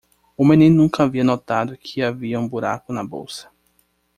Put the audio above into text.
O menino nunca havia notado que havia um buraco na bolsa.